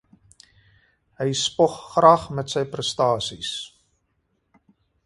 Hy spog graag met sy prestasies.